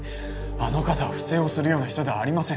あの方は不正をするような人ではありません